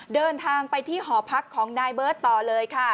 เดินทางไปที่หอพักของนายเบิร์ตต่อเลยค่ะ